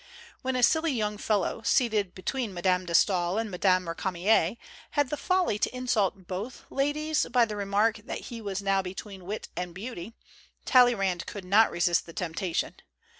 When a silly young fellow, seated between Mme. de Stael and Mme. Recamier, had the folly to insult both ladies by the remark that he was now between wit and beauty, Talleyrand could not resist the tempta tion.